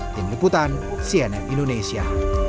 tim liputan cnn indonesia